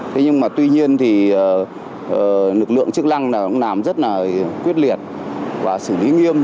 thế nhưng mà tuy nhiên thì lực lượng chức năng cũng làm rất là quyết liệt và xử lý nghiêm